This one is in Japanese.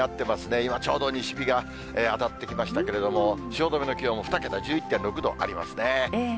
今、ちょうど西日が当たってきましたけれども、汐留の気温、２桁、１１．６度ありますね。